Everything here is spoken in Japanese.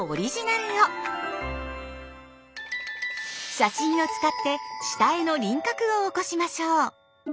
写真を使って下絵の輪郭を起こしましょう。